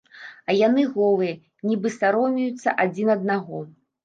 А яны голыя, нібы саромеюцца адзін аднаго.